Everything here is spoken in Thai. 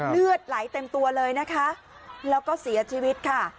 เลือดไหลเต็มตัวเลยนะคะแล้วก็เสียชีวิตค่ะ